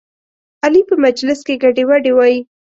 علي په مجلس کې ګډې وډې وایي.